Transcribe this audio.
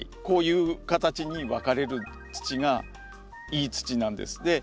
こういう形に分かれる土がいい土なんです。